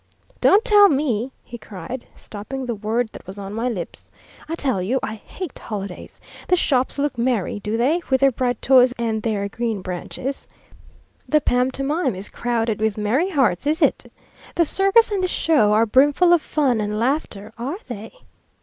"Don't tell me," he cried, stopping the word that was on my lips; "I tell you, I hate holidays. The shops look merry, do they, with their bright toys and their green branches? The pantomime is crowded with merry hearts, is it? The circus and the show are brimful of fun and laughter, are they?